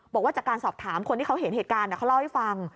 บอกว่าจากการสอบถามคนที่เขาเห็นเหตุการณ์เขาเล่าให้ฟัง